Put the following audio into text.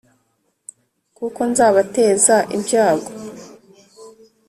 Kuko nzabateza ibyago